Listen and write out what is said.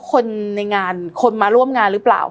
คนในงานคนมาร่วมงานหรือเปล่า